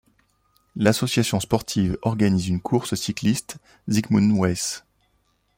L'association sportive organise une course cycliste Zygmunt Weiss.